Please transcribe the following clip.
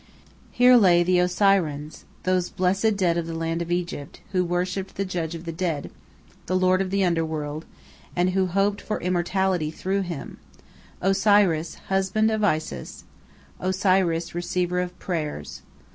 Here lay the Osirians, those blessed dead of the land of Egypt, who worshipped the Judge of the Dead, the Lord of the Underworld, and who hoped for immortality through him Osiris, husband of Isis, Osiris, receiver of prayers.